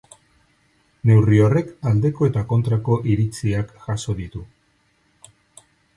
Neurri horrek aldeko eta kontrako iritziak jaso ditu.